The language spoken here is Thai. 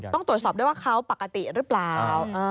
ต้องตรวจสอบด้วยว่าเขาปกติหรือเปล่า